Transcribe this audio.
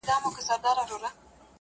له پیشو یې ورته جوړه ښه نجلۍ کړه.!